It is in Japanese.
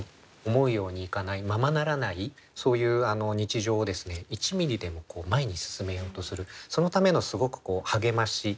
思うようにいかないままならないそういう日常を１ミリでも前に進めようとするそのためのすごく励まし。